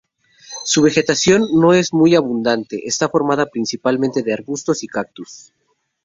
Su vegetación no es muy abundante, está formada principalmente de arbustos y cactus.